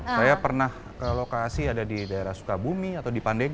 saya pernah ke lokasi ada di daerah sukabumi atau di pandeg